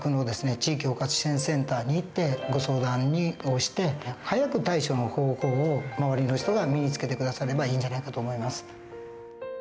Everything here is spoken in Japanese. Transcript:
地域包括支援センターに行ってご相談をして早く対処の方法を周りの人が身につけて下さればいいんじゃないかと思います。